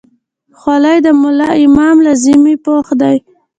خولۍ د ملا امام لازمي پوښ دی.